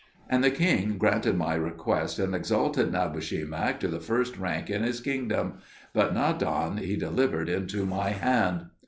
And the king granted my request, and exalted Nabushemak to the first rank in his kingdom; but Nadan he delivered into my hand.